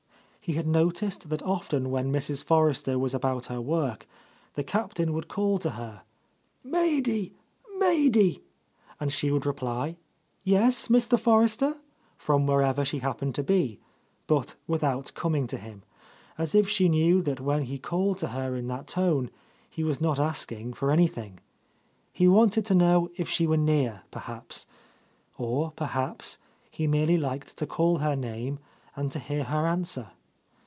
He had no ticed that often when Mrs. Forrester was about her work, the Captain would call to her, "Maidy, Maidy," and she would reply, "Yes, Mr. Forres ter," from wherever she happened to be, but without coming to him, — as if she knew that when he called to her in that tone he was not asking for anything. He wanted to know if she were near, perhaps; or, perhaps, he merely liked to call her name and to hear her answer.